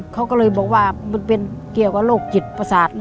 เขาก็เลยบอกว่ามันเป็นเกี่ยวกับโรคจิตประสาท